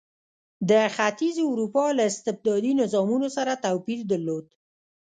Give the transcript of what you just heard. د ختیځې اروپا له استبدادي نظامونو سره توپیر درلود.